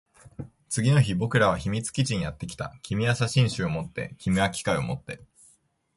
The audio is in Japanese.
次の日も僕らは秘密基地にやってきた。君は写真集を持って、僕は機械を持って。